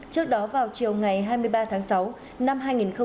trước đó vào chiều ngày hai mươi ba tháng sáu năm hai nghìn hai mươi